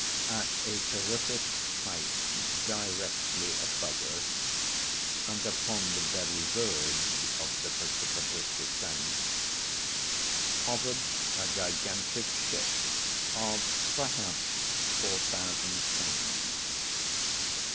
At a terrific height directly above us, and upon the very verge of the precipitous descent, hovered a gigantic ship of, perhaps, four thousand tons.